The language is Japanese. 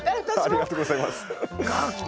ありがとうございます。